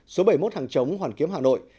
số bảy mươi một hàng chống hoàn kiếm hà nội